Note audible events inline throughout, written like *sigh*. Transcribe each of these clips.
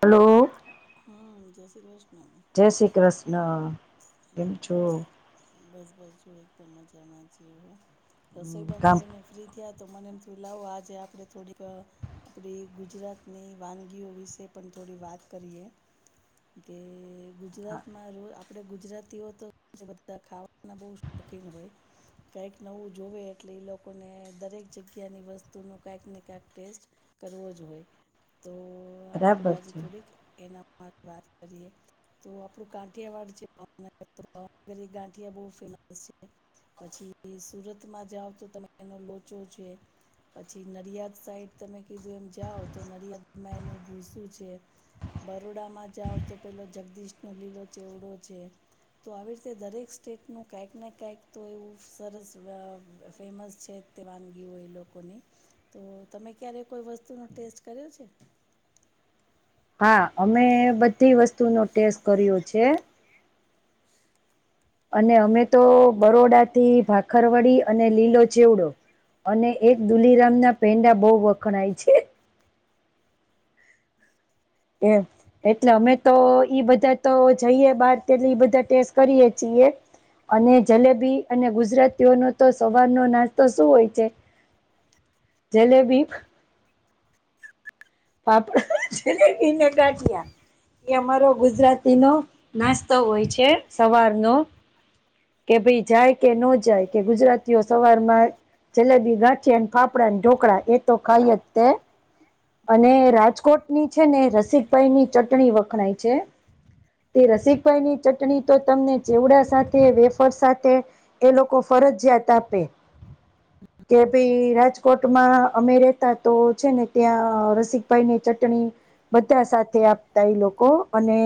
Hello હા જય શ્રી કૃષ્ણ જય શ્રી કૃષ્ણ. કેમ છો બસ બસ છ એકદમ મજામા શીહો. રસોઈ કામ બનાવીને ફ્રી થયા તો મને એમ થ લાવો આજે આપણે થોડીક. આપણી ગુજરાતની વાનગીઓ વિશે પણ થોડી વાત કરીએ. કે ગુજરાતમાં રો આપણેુ. ગુજરાતીઓ તો બધા ખાવાના બહ શોખીન હોય. કઈક નવું જોવે એટલે લોકોને દરેક જગ્યાની વસ્તુ ન કઈક ને કંક ટેસ્ટ. કરવો જ હોય તો. આપડે બરાબર આજે છે થોડીક એના વાત કરીએ તો આપણું કાંઠ એવાડ છે. તો ભાવનગરી ગાંઠિયા બહુ ફેમસ છે. પછી સુરતમાં જાઓ તો તમે એનો લોચો છે. પછી નડિયાદ સાઈડ તમે કીધું એમ જાઓ તો નડિયાદમાં એનું ભૂસું છે. બરોડામાં જાઓ તો પહેલો જગદીશનો લીલો ચેવડો છે. તો આવી રીતે દરેક સ્ટેટનું કાંઈક ને કંઈક તો એવું સરસ ફેમસ છે. તે વાનગી હોય લોકોની તો તમે ક્યારે કોઈ વસ્તુનો ટેસ્ટ કર્યો છે. હા અમે બધી વસ્તુનો ટેસ્ટ કર્યો છે. અને અમે તો બરોડા થી ભાખરવડી અને લીલો જેવડો. અને એક દુલીરામ ના પેંડા બહુ વખણાય છે. એ. એટલે અમે તો ઈ બધા તો જઈએ બારટલે એ બધા ટેસ્ટ કરીએ છીએ. અને જલેબી અને ગુજરાતીઓનો તો સવારનો નાસ્તો શું હોય છે. જલેબી. પાપડા છેને કટિયા. એ અમારો ગુજરાતી નો નાસ્તો હોય છે સવાર નો. કે ભાઈ જાય કે ન જાય કે ગુજરાતીઓ સવારમાં. જલેબી ગાંચી અને ફાફડા અને ઢોકળા એ તો ખાઈ જ તે. અને રાજકોટની છે ને રસીદભાઈ ની ચટણી વખણાય છે. તે રસિકભાઈ ની ચટણી તો તમને ચેવડા સાથે વેફર સાથે. એ લોકો ફરજજિયાત આપે. કે ભાઈ રાજકોટમાં અમે રેતા તો છે ને ત્યાં. રસિકભાઈ ની ચટણી બધા સાથે આપતા એ લોકો અને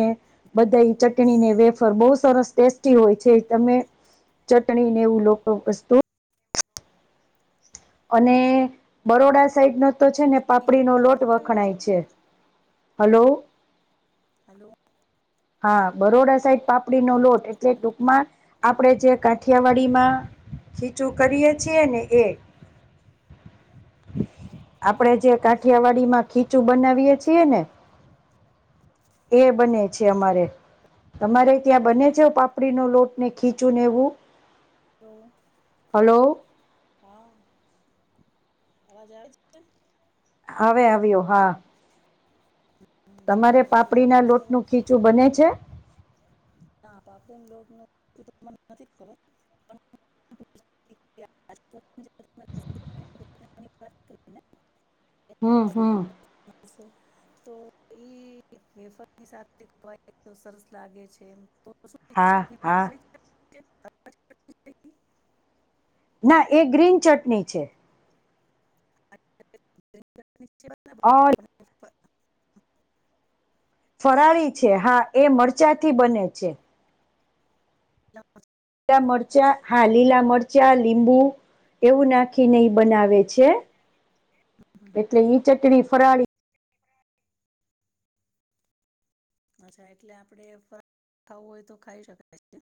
બધા ચટણીને વેફર બહુ સરસ ટેસ્ટી હોય છે તમે. ચટણી ને એવું લોકો વસ્તુ. અને બરોડા સાઈડ નો તો છે ને પાપડીનોો ચટણી ફરક લોટ હોય વખણાય છે. હલો. હલો. હા બરોડા સાઈડ પાપડીનો લોટ એટલે હલો ટૂંકમાં. આપણેે જે કાઠિયાવાડીમાં ખીચું હલો કરીએ છીએ ને એ. *inaudible* આપડે જે કાઠીિયાવાડી માં ખીચું બનાવીએ છીએ ને. એ બને છે અમારે તમારે ત્યાં બને છે પાપડી નો લોટ ને ખીચું ને એવું. Hello hello. હા અવાજ આવે. છે હવે આવ્યો હા. હમ હમ તમારે વચ્ચે પાપડી કંઈક ના લોટ નું ડિસ્ટર્બન્સ ખીચું બને છે. ના પાપડેને લોડ નથી મને નથી ખબર. પા. અન વાત કરી એ. હ હા. હ છે. તો ઈ વેફરની સાથે સરસ લાગે છે એમ તો હા શું હા ના એ ગ્રીન ચટણી છે. *unintelligible* *unintelligible* ફરાળી છે હા એ મરચાંથી બને છે. લાવજો *unintelligible* લીલા મરચાં હા લીલા મરચાં લીંબુ એવું નાખીને ઈ બનાવે છે હમ એટલે ઈ ચટણી ફરાળી અચ્છા એટલે આપડે *unintelligible* ખાવું હોય તો ખાઈ શકાય. છે.